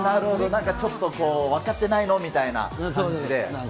なんかちょっとこう、分かってないのみたいな感じで。